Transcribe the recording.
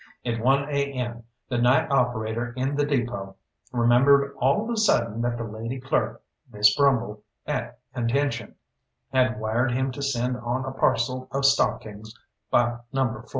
At one a. m. the night operator in the depôt remembered all of a sudden that the lady clerk, Miss Brumble, at Contention, had wired him to send on a parcel of stockings by Number 4.